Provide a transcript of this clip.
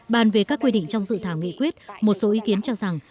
bàn về các quy định trong dự thảo nghị quyết một số ý kiến cho rằng